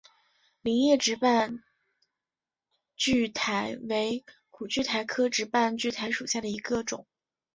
菱叶直瓣苣苔为苦苣苔科直瓣苣苔属下的一个种。